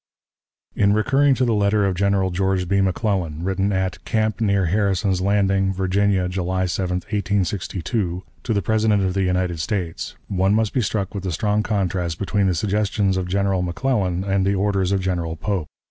In recurring to the letter of General George B. McClellan, written at "Camp near Harrison's Landing, Virginia, July 7, 1862," to the President of the United States, one must be struck with the strong contrast between the suggestions of General McClellan and the orders of General Pope.